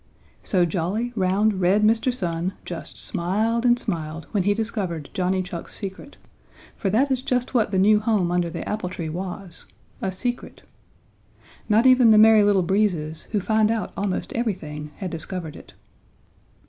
So jolly, round, red Mr. Sun just smiled and smiled when he discovered Johnny Chuck's secret, for that is just what the new home under the apple tree was a secret. Not even the Merry Little Breezes, who find out almost everything, had discovered it.